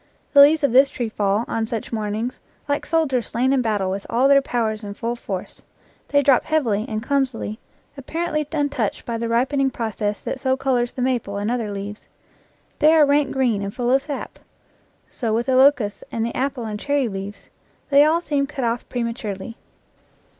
The leaves of this tree fall, on such mornings, like soldiers slam in battle with all their powers in full force. They drop heavily and clumsily, apparently untouched by the ripening process that so colors the maple and other leaves. They are rank green and full of sap. So with the locusts, and the apple and cherry leaves; they all seem cut off prematurely.